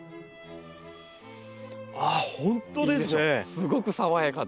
すごく爽やかでしょ。